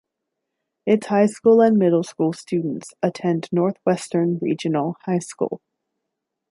Its high school and middle school students attend Northwestern Regional High School.